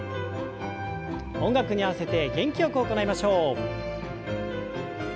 音楽に合わせて元気よく行いましょう。